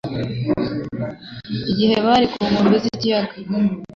igihe bari ku nkombe z'ikiyaga.